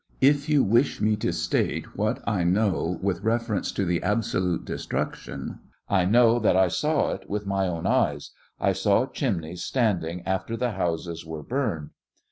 If you wish me to state what I know with refer ence to the absolute destruction, I know that I saw it with my own eyes ; I saw chimneys standing after the houses were burned.